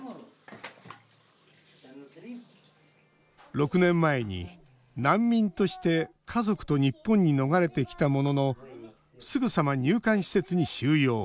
６年前に、難民として家族と日本に逃れてきたもののすぐさま入管施設に収容。